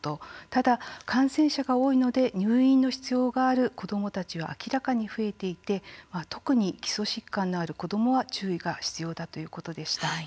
ただ、感染者が多いので入院の必要がある子どもたちは明らかに増えていて、特に基礎疾患のある子どもは注意が必要だということでした。